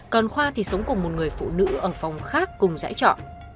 còn khoa thì sống cùng một người phụ nữ ở phòng khác cùng dãy trọ